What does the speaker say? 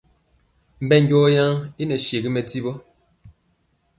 Mbɛnjɔ yen i nɛ sewi mɛdivɔ.